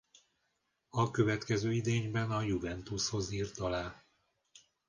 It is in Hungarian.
A következő idényben a Juventushoz írt alá.